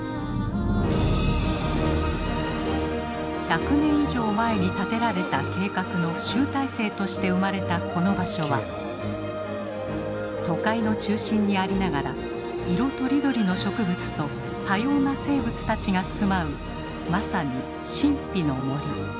１００年以上前に立てられた計画の集大成として生まれたこの場所は都会の中心にありながら色とりどりの植物と多様な生物たちが住まうまさに神秘の森。